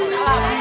thank you dong